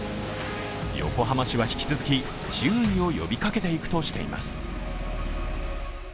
横浜市は引き続き注意を呼びかけていくとしています。